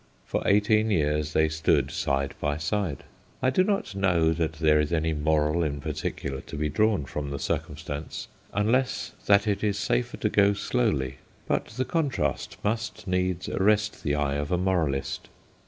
For eighteen years they stood side by side. I do not know that there is any moral in particular to be drawn from the circumstance, unless that it is safer to go slowly, but the contrast must needs arrest the eye of a moralist.